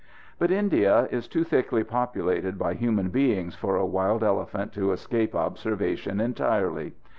But India is too thickly populated by human beings for a wild elephant to escape observation entirely.